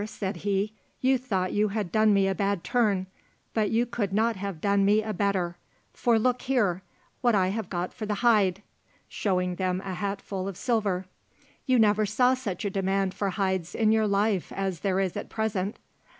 said he, "you thought you had done me a bad turn, but you could not have done me a better; for look here, what I have got for the hide," showing them a hatful of silver; "you never saw such a demand for hides in your life as there is at present."